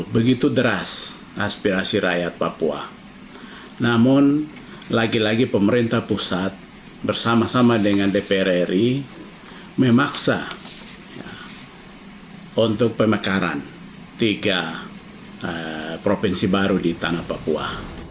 bersama sama dengan dpr ri memaksa untuk pemekaran tiga provinsi baru di tanah papua